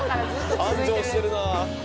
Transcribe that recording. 繁盛してるな。